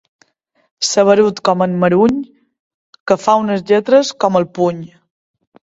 Saberut com en Maruny, que fa unes lletres com el puny.